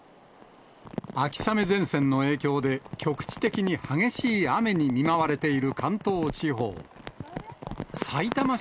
秋雨前線の影響で、局地的に激しい雨に見舞われている関東地方。